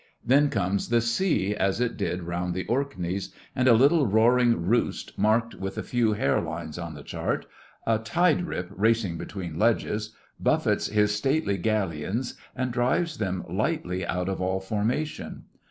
Then comes the sea, as it did round the Orkneys, and a little roaring 'roost' marked with a few hair lines on the chart—a tide rip racing between ledges—buffets his stately galleons, and drives them lightly out of all formation.